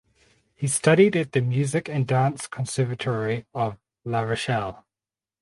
He studied at the Music and Dance Conservatory of La Rochelle.